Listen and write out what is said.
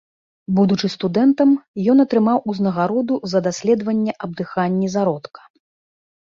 Будучы студэнтам, ён атрымаў узнагароду за даследаванне аб дыханні зародка.